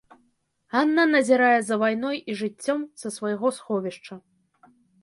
Анна назірае за вайной і жыццём са свайго сховішча.